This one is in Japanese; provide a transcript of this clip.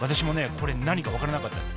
これ何か分からなかったです。